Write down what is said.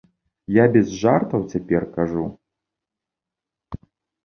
Я без жартаў цяпер кажу.